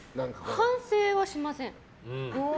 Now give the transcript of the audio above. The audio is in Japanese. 反省はしません。